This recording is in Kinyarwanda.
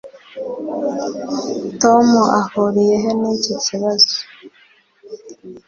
tom ahuriye he niki kibazo